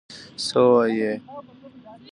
_څه وايي؟